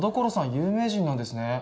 有名人なんですね。